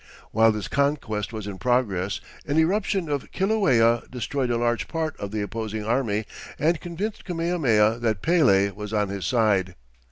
While this conquest was in progress, an eruption of Kilauea destroyed a large part of the opposing army and convinced Kamehameha that Pele was on his side.